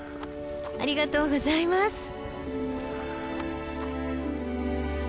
ありがとうございます！